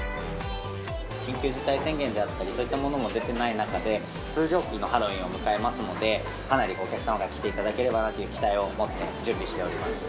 緊急事態宣言であったり、そういったものも出てない中で、通常期のハロウィーンを迎えますので、かなりお客様が来ていただければなという期待をもって準備をしております。